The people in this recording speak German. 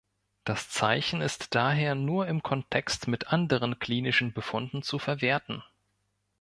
Das Zeichen ist daher nur im Kontext mit anderen klinischen Befunden zu verwerten.